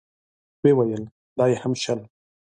ويې ويل: دا يې هم شل.